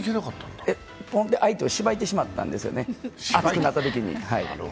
相手をしばいてしまったんですよね、当たったときに。